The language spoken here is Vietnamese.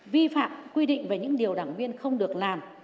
vi phạm quy định về những điều đảng viên không được làm